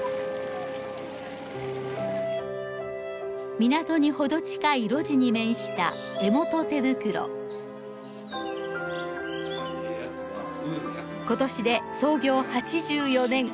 港に程近い路地に面した今年で創業８４年。